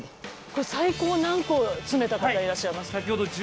これ最高何個詰めた方いらっしゃいますか？